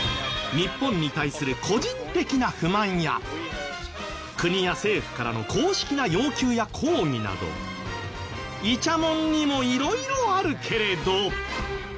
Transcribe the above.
日本に対する個人的な不満や国や政府からの公式な要求や抗議などイチャモンにも色々あるけれど。